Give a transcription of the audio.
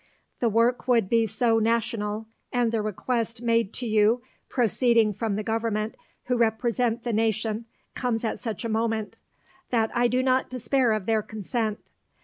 The work would be so national, and the request made to you proceeding from the Government who represent the nation comes at such a moment, that I do not despair of their consent.